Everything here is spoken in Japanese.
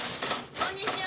こんにちは。